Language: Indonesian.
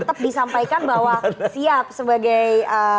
tetap disampaikan bahwa siap sebagai